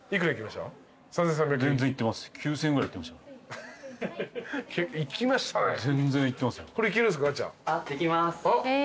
できます。